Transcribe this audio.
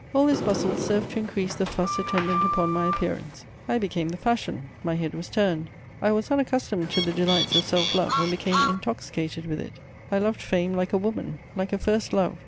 All this bustle served to increase the fuss attendant upon my appearance. I became the fashion. My head was turned: I was unaccustomed to the delights of self love and became intoxicated with it I loved fame like a woman, like a first love.